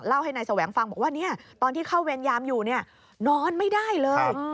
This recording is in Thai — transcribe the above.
ให้นายแสวงฟังบอกว่าตอนที่เข้าเวรยามอยู่นอนไม่ได้เลย